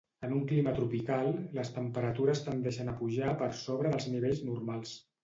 En un clima tropical, les temperatures tendeixen a pujar per sobre dels nivells normals.